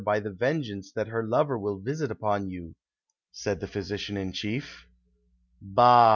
213 by the vengeance that her lover will visit upon you," said the physician in chief. '' Bah